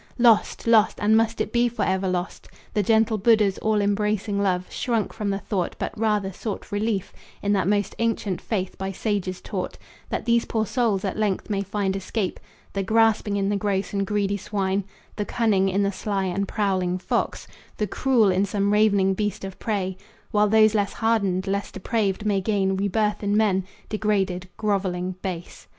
Lost! lost! and must it be forever lost? The gentle Buddha's all embracing love Shrunk from the thought, but rather sought relief In that most ancient faith by sages taught, That these poor souls at length may find escape, The grasping in the gross and greedy swine, The cunning in the sly and prowling fox, The cruel in some ravening beast of prey; While those less hardened, less depraved, may gain Rebirth in men, degraded, groveling, base.